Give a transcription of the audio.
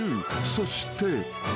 そして］